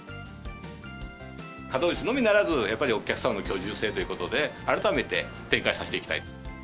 稼働率のみならず、やっぱりお客様の居住性ということで、改めて展開させていきたい。